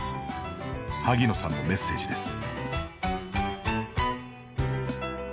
萩野さんのメッセージです。